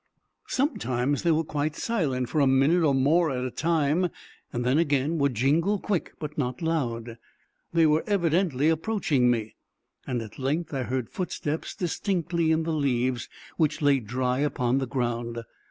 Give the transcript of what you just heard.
Sometimes they were quite silent for a minute or more at a time, and then again would jingle quick, but not loud. They were evidently approaching me; and at length I heard footsteps distinctly in the leaves, which lay dry upon the ground.